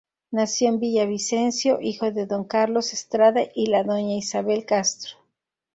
Nació en Villavicencio, hijo de don Carlos Estrada y la doña Isabel Castro.